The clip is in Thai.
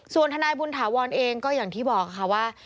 ส่วนทนายบุญถาวรเองก็อย่างที่บอกค่ะว่า